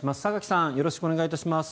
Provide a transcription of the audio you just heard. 榊さん、よろしくお願いします。